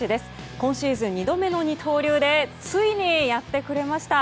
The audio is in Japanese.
今シーズン２度目の二刀流でついにやってくれました。